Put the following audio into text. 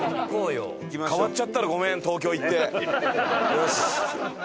よし！